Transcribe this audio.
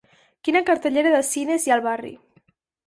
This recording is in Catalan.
Quina cartellera de cines hi ha al barri